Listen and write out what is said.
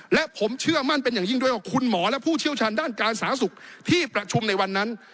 และผมเชื่อมั่นเป็นอย่างยิ่งด้วยว่าคุณหมอและผู้เชี่ยวชาญด้านการสาธารณสุขที่ประชุมในวันนั้น